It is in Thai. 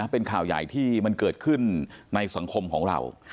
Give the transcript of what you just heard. เป็นข่าวใหญ่ที่มันเกิดขึ้นในสังคมของเรา